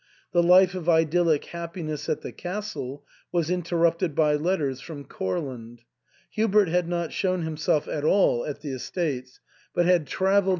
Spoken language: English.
The life of idyllic happiness at the castle was interrupted by letters from Courland. Hubert had not shown himself at all at the estates, but had travelled 3IO THE ENTAIL.